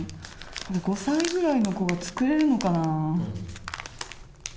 これ、５歳ぐらいの子が作れるのかなぁ。